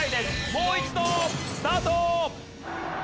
もう一度スタート。